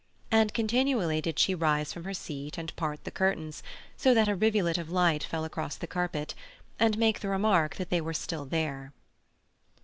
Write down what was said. And continually did she rise from her seat and part the curtains so that a rivulet of light fell across the carpet, and make the remark that they were still there.